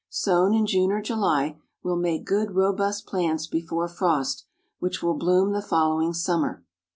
Sown in June or July, will make good robust plants before frost, which will bloom the following summer.